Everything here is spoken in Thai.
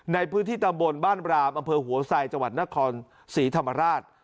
ในพื้นที่ตำบลบ้านรามอำเภอหัวไซจังหวัดนครศรีธรรมราช